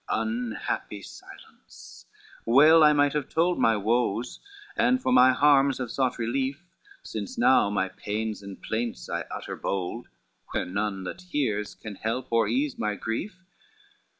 XCVII "Unhappy silence, well I might have told My woes, and for my harms have sought relief, Since now my pains and plaints I utter bold, Where none that hears can help or ease my grief.